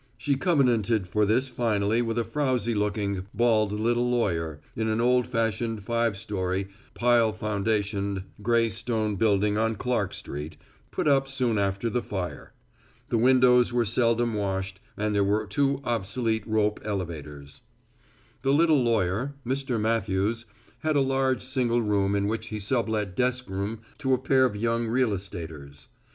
She covenanted for this finally with a frowsy looking, bald little lawyer, in an old fashioned five story, pile foundationed, gray stone building on Clark street, put up soon after the fire. The windows were seldom washed and there were two obsolete rope elevators. The little lawyer, Mr. Matthews, had a large single room in which he sublet desk room to a pair of young real estaters.